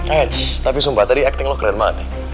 eits tapi sumpah tadi acting lu keren banget